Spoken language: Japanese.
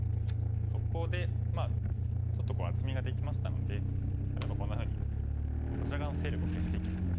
そこでまあちょっと厚みができましたので例えばこんなふうにこちら側の勢力を消していきます。